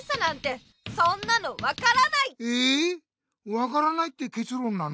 えわからないってけつろんなの？